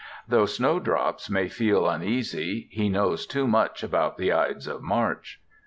Though snowdrops may feel uneasy, he knows too much about the Ides of March!